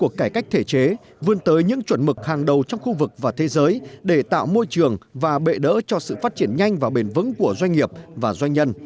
cuộc cải cách thể chế vươn tới những chuẩn mực hàng đầu trong khu vực và thế giới để tạo môi trường và bệ đỡ cho sự phát triển nhanh và bền vững của doanh nghiệp và doanh nhân